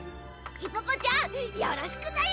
ヒポポちゃんよろしくだよ！